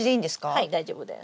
はい大丈夫です。